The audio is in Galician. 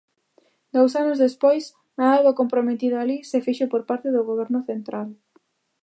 Dous anos despois, nada do comprometido alí se fixo por parte do Goberno central.